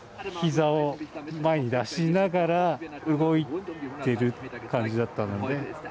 ひざを前に出しながら動いてる感じだったので。